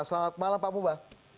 selamat malam pak muba